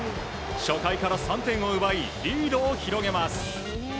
初回から３点を奪いリードを広げます。